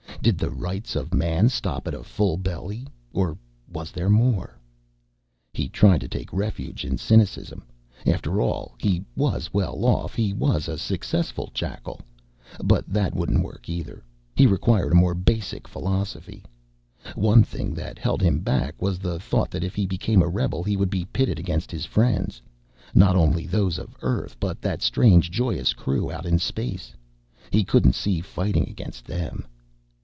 Did the rights of man stop at a full belly, or was there more? He tried to take refuge in cynicism. After all, he was well off. He was a successful jackal. But that wouldn't work either. He required a more basic philosophy. One thing that held him back was the thought that if he became a rebel, he would be pitted against his friends not only those of Earth, but that strange joyous crew out in space. He couldn't see fighting against them.